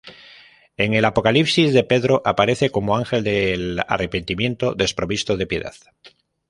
En el "Apocalipsis de Pedro" aparece como Ángel del Arrepentimiento, desprovisto de piedad.